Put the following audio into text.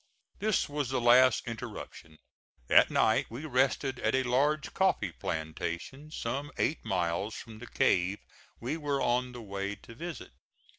This was the last interruption: that night we rested at a large coffee plantation, some eight miles from the cave we were on the way to visit.